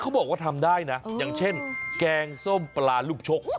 บอกว่าทำได้นะอย่างเช่นแกงส้มปลาลูกชก